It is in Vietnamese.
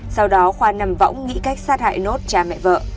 sau đó khoa nằm võng nghĩ cách sát hại nốt cha mẹ vợ